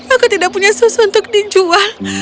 aku tidak punya susu untuk dijual